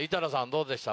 どうでした？